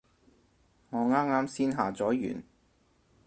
我啱啱先下載完